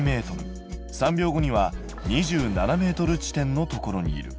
３秒後には２７ｍ地点のところにいる。